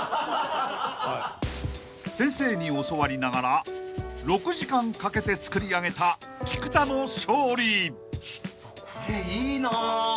［先生に教わりながら６時間かけて作り上げた菊田の勝利］